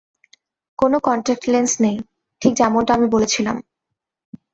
কোন contact lens নেই, ঠিক যেমনটা আমি বলেছিলাম।